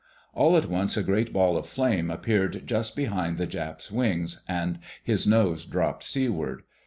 All at once a great ball of flame appeared just behind the Jap's wings, and his nose dropped seaward.